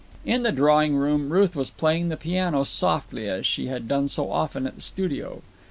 In the drawing room Ruth was playing the piano softly, as she had done so often at the studio.